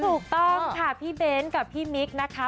ถูกต้องค่ะพี่เบ้นกับพี่มิ๊กนะคะ